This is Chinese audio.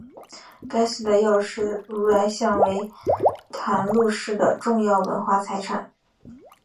该寺的药师如来像为淡路市的重要文化财产。